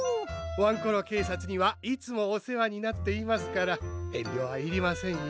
ワンコロけいさつにはいつもおせわになっていますからえんりょはいりませんよ。